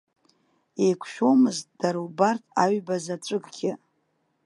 Еиқәшәомызт дара убарҭ аҩба заҵәыкгьы.